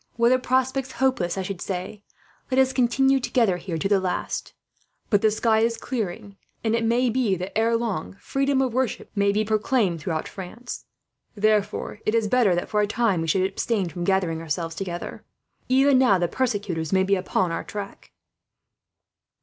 Were the prospects hopeless, I should say, 'let us continue together here, till the last;' but the sky is clearing, and it may be that, ere long, freedom of worship may be proclaimed throughout France. Therefore it is better that, for a time, we should abstain from gathering ourselves together. Even now, the persecutors may be on our track."